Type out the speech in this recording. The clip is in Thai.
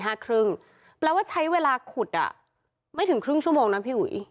แปลว่าใช้เวลาขุดอ่ะไม่ถึงครึ่งชั่วโมงนะพี่อุ๋ย